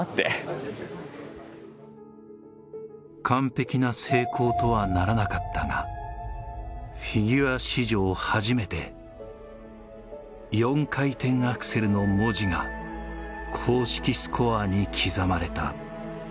完璧な成功とはならなかったがフィギュア史上初めて「４回転アクセル」の文字が公式スコアに刻まれた。